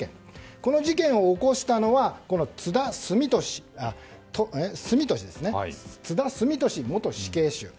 この事件を起こしたのは津田寿美年元死刑囚。